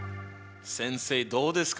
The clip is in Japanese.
先生どうですか？